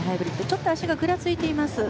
ちょっと足がぐらついています。